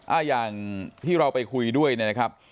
อย่างที่เราไปคุยด้วยนะครับ